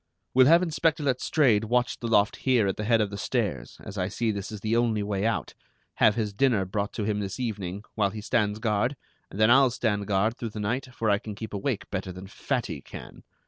We'll have Inspector Letstrayed watch the loft here at the head of the stairs, as I see this is the only way out, have his dinner brought to him this evening, while he stands guard, and then I'll stand guard through the night, for I can keep awake better than Fatty can.